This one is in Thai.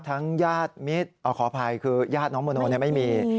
ญาติมิตรขออภัยคือญาติน้องโมโนไม่มี